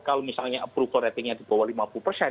kalau misalnya approval ratingnya di bawah lima puluh persen